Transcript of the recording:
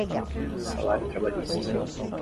Salário trabalhista